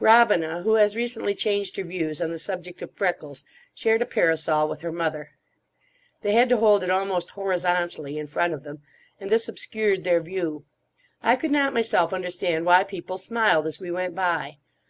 Robina, who has recently changed her views on the subject of freckles, shared a parasol with her mother. They had to hold it almost horizontally in front of them, and this obscured their view. I could not myself understand why people smiled as we went by.